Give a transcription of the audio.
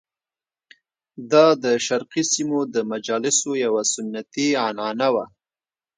دا د شرقي سیمو د مجالسو یوه سنتي عنعنه وه.